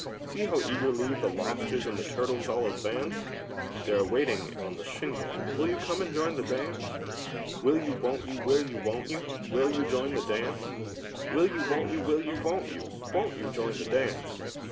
See how eagerly the lobsters and the turtles all advance ! They are waiting on the shingle — will you come and join the dance? Will you, won't you; will you, won't you; will you join the dance? Will you, won't you; will you, won't you; won't you join the dance?